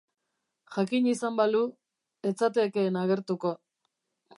Jakin izan balu, ez zatekeen agertuko.